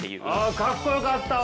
あかっこよかったわ！